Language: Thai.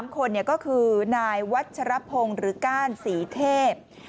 ๓คนก็คือนายวัชรพงศ์หรือก้านศรีเทพ